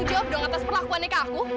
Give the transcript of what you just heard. jawab dong atas perlakuannya ke aku